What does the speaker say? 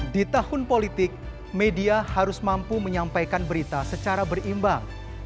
di tahun politik media harus mampu menyampaikan berita secara berimbang